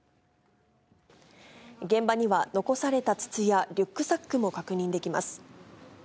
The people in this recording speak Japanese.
現場には、残された筒やリュックサックも確認できます。